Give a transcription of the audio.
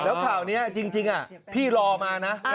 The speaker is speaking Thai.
แล้วข่าวนี้จริงพี่รอมานะ